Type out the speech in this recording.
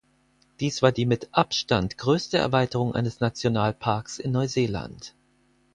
Dies war die mit Abstand größte Erweiterung eines Nationalparks in Neuseeland.